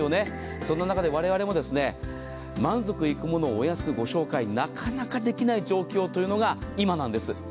そんな中でわれわれも満足いくものをお安くご紹介なかなかできない状況というのが今なんです。